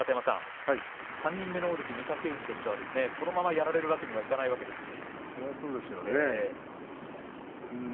３人目の大関御嶽海としてはこのままやられるわけにはいかないわけですし。